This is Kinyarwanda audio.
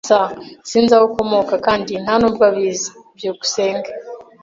S Sinzi aho ukomoka, kandi nta nubwo abizi. byukusenge